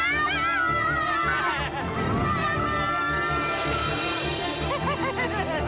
itu kan suaranya butet dan leng leng